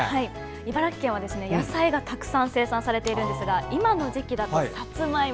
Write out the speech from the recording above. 茨城県は野菜がたくさん生産されているんですが今の時期だとさつまいも。